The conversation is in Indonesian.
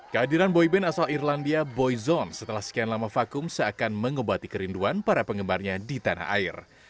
kehadiran boyband asal irlandia boyzone setelah sekian lama vakum seakan mengobati kerinduan para penggemarnya di tanah air